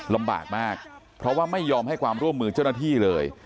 ลำบากมากเพราะว่าไม่ยอมให้ความร่วมมือเจ้าหน้าที่เลย